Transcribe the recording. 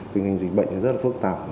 tình hình dịch bệnh rất phức tạp